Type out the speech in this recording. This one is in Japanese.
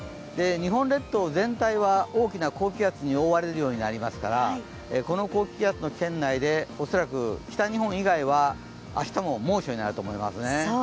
日本列島全体は大きな高気圧に覆われるようになりますから、この高気圧の圏内で恐らく北日本以外は明日も猛暑になると思いますね。